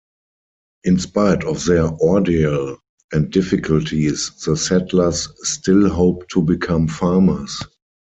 In spite of their ordeal and difficulties the settlers still hoped to become farmers.